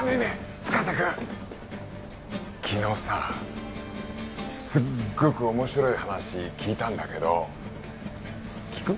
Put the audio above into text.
深瀬君昨日さすっごく面白い話聞いたんだけど聞く？